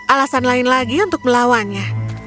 alasan lain lagi untuk melawannya